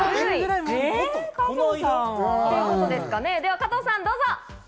加藤さん、どうぞ。